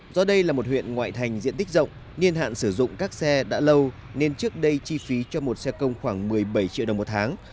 do đây là một huyện ngoại thành diện tích rộng niên hạn sử dụng các xe đã lâu nên trước đây chi phí cho một xe công khoảng một mươi bảy triệu đồng một tháng